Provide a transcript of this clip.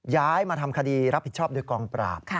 ย้ายมาทำคดีรับผิดชอบโดยกองปราบ